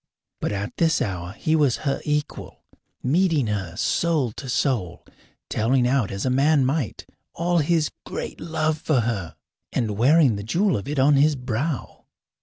But at this hour he was her equal, meeting her soul to soul, telling out as a man might all his great love for her, and wearing the jewel of it on his brow.